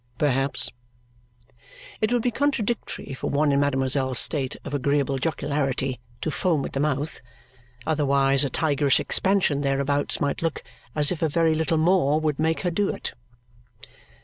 "Perhaps." It would be contradictory for one in mademoiselle's state of agreeable jocularity to foam at the mouth, otherwise a tigerish expansion thereabouts might look as if a very little more would make her do it.